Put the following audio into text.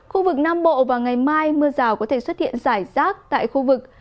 khu vực nam bộ và ngày mai mưa rào có thể xuất hiện rải rác tại khu vực